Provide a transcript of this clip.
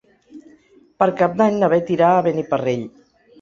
Per Cap d'Any na Beth irà a Beniparrell.